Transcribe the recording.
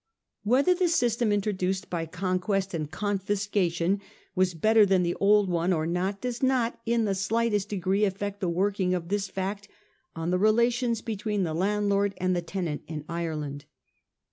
Whether the system introduced by conquest and confiscation was better than the old one or not does not in the slightest degree affect the working of this fact on the relations between the landlord and the tenant in Ireland.